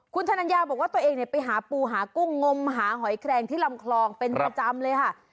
คุณธนัญญาบอกว่าตัวเองไปหาปูหากุ้งงมหาหอยแครงที่ลำคลองเป็นประจำเลยค่ะ